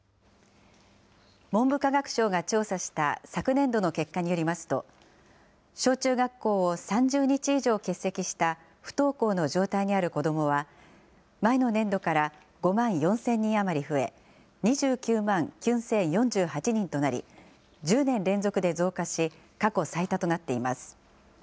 文部科学省が調査した昨年度の結果によりますと、小中学校を３０日以上欠席した不登校の状態にある子どもは、前の年度から５万４０００人余り増え、２９万９０４８人となり、１０年連続で増加し、過去最多となっています。